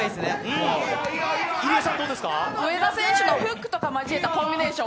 上田選手のフックとか交えたコンビネーション